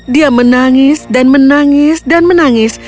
dia menangis dan menangis dan menangis